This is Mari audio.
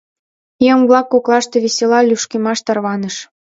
Еҥ-влак коклаште весела лӱшкымаш тарваныш.